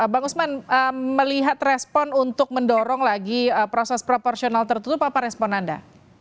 bang usman melihat respon untuk mendorong lagi proses proporsional tertutup apa respon anda